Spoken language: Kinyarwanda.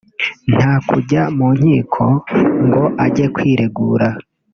nta kujya mu nkiko ngo ajye kwiregura